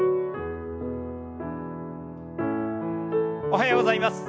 おはようございます。